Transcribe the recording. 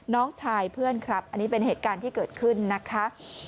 น้องชายเพื่อนครับอันนี้เป็นเหตุการณ์ที่เกิดขึ้นนะคะ